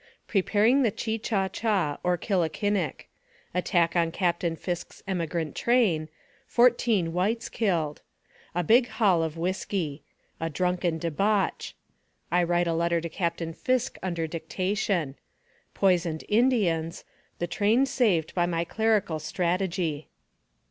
PREPARING THE CHI CHA CHA, OR KILLIKINNICK ATTACK ON CAP TAIN FISK'S EMIGRANT TRAIN FOURTEEN WHITES KILLED A BIG HAUL OF WHISKY A DRUNKEN DEBAUCH I WRITE A LETTER TO CAPTAIN FISK UNDER DICTATION POISONED INDIANS THE TRAIN SAVED BY MY CLERICAL STRATEGY.